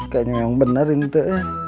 kayaknya memang benar ini